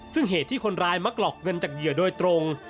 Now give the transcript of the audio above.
ซึ่งเหตุที่คนร้ายมากรอกเงินจากเหยื่อโดยตรง